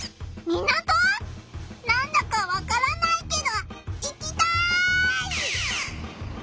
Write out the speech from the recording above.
なんだかわからないけど行きたい！